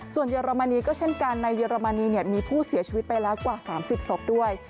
ส่วนเยอรมนีก็เช่นกันในเยอรมนีมีผู้เสียชีวิตไปแล้วกว่า๓๐ศพด้วย